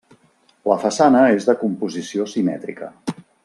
La façana és de composició simètrica.